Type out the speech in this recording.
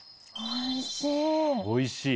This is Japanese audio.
おいしい？